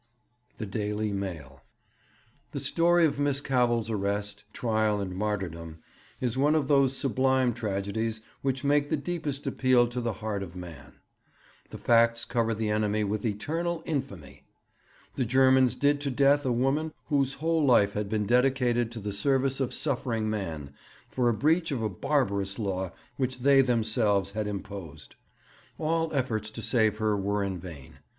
The Daily Mail. 'The story of Miss Cavell's arrest, trial, and martyrdom is one of those sublime tragedies which make the deepest appeal to the heart of man. The facts cover the enemy with eternal infamy. The Germans did to death a woman whose whole life had been dedicated to the service of suffering man, for a breach of a barbarous law which they themselves had imposed. All efforts to save her were in vain.